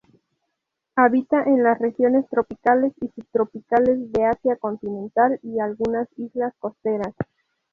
Habita en las regiones tropicales y subtropicales de Asia continental y algunas islas costeras.